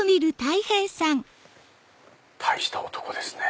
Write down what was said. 大した男ですね。